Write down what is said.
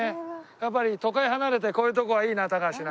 やっぱり都会離れてこういうとこはいいな高橋な。